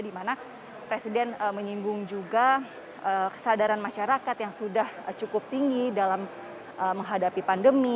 dimana presiden menyinggung juga kesadaran masyarakat yang sudah cukup tinggi dalam menghadapi pandemi